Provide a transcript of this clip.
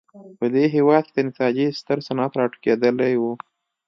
په دې هېواد کې د نساجۍ ستر صنعت راټوکېدلی و.